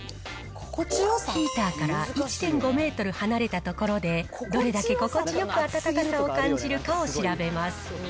ヒーターから１．５メートル離れた所で、どれだけ心地よく温かさを感じるかを調べます。